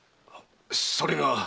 それが。